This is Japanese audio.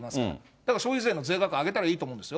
だから消費税の税額上げたらいいと思うんですよ。